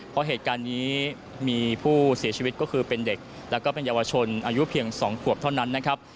เพราะเหตุการณ์นี้มีผู้เสียชีวิตก็คือเป็นเด็กแล้วก็เป็นเยาวชนอายุเพียง๒ขวบเท่านั้นนะครับ